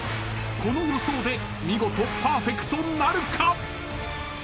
［この予想で見事パーフェクトなるか？］